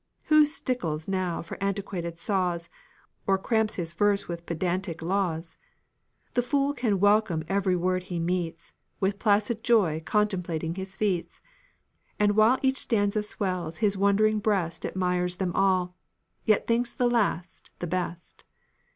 Who stickles now for antiquated saws, Or cramps his verses with pedantic laws? The fool can welcome every word he meets, With placid joy contemplating his feats; And while each stanza swells his wondering breast Admires them all, yet thinks the last the best.